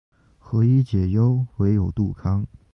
何以解忧，唯有杜康